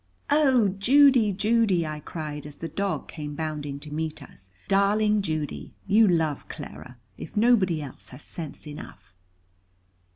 "Oh, Judy, Judy," I cried, as the dog came bounding to meet us "darling Judy, you love Clara, if nobody else has sense enough."